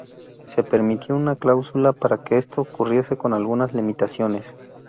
Se permitió una cláusula para que esto ocurriese con algunas limitaciones.